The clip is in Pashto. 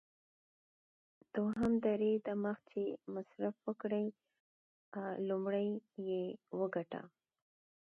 دوهم: ددې دمخه چي مصرف وکړې، لومړی یې وګټه.